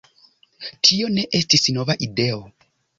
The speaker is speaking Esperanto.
Tio ne estis nova ideo.